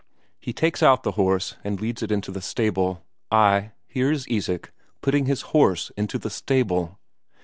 He takes out the horse and leads it into the stable: ay, here is Isak putting his horse into the stable.